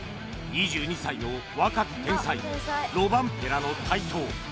２２歳の若き天才ロバンペラの台頭。